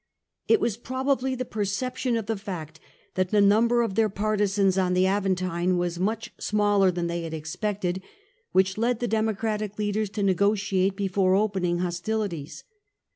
It was probably the perception of the fact that the number of their partisans on the Aventine was much smaller than they had expected, which led the Democratic leaders to negotiate before opening hostilities.